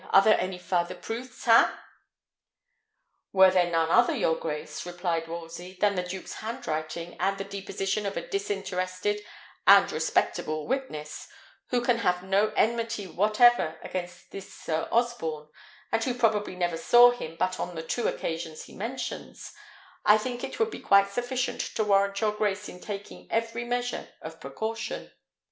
Are there any farther proofs, ha?" "Were there none other, your grace," replied Wolsey, "than the duke's handwriting, and the deposition of a disinterested and respectable witness, who can have no enmity whatever against this Sir Osborne Maurice, and who probably never saw him but on the two occasions he mentions, I think it would be quite sufficient to warrant your grace in taking every measure of precaution.